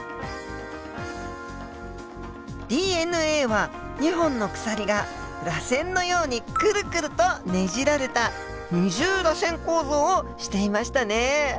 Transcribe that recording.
ＤＮＡは２本の鎖がらせんのようにくるくるとねじられた二重らせん構造をしていましたね。